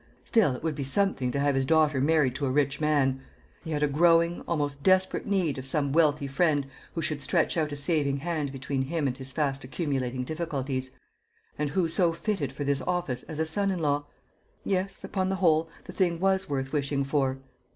Still, it would be something to have his daughter married to a rich man. He had a growing, almost desperate need of some wealthy friend who should stretch out a saving hand between him and his fast accumulating difficulties; and who so fitted for this office as a son in law? Yes, upon the whole, the thing was worth wishing for.